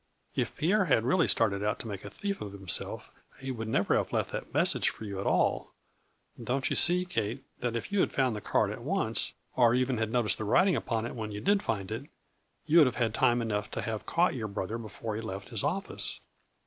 If Pierre had really started out to make a thief of himself he would never have left that message for you at all. Don't you see, Kate, that if you had found the card at once, or even had noticed the writing upon it when you did find it, you would have had time enough to have caught 146 A FLURRY IN DIAMONDS. your brother before he left his office